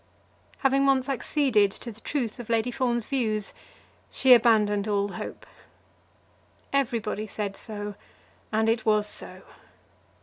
Having once acceded to the truth of Lady Fawn's views, she abandoned all hope. Everybody said so, and it was so.